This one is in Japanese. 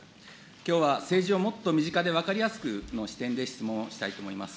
きょうは政治をもっと身近で分かりやすくの視点でご質問をいたしたいと思います。